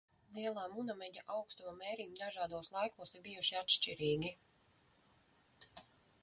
Lielā Munameģa augstuma mērījumi dažādos laikos ir bijuši atšķirīgi.